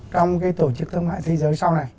trong cái tổ chức thương mại thế giới sau này